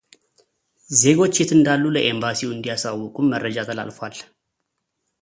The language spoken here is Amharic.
ዜጎች የት እንዳሉ ለኤምባሲው እንዲያሳውቁም መረጃ ተላልፏል።